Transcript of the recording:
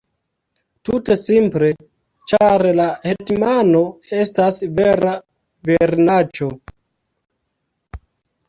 Tute simple, ĉar la hetmano estas vera virinaĉo!